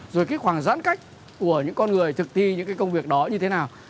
rồi khoảng giãn cách của những con người thực thi những công việc đó như thế nào